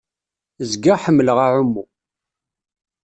Zgiɣ ḥemmleɣ aɛummu.